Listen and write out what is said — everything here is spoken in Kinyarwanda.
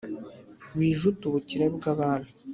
wijute ubukire bw’abami,